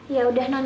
ya udah non